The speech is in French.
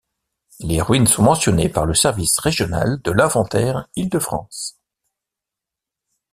Les ruines sont mentionnées par le service régional de l’inventaire Île-de-France.